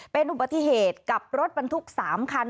เป็นอุบัติเหตุกับรถบรรทุก๓คัน